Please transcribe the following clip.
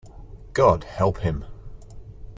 God help him!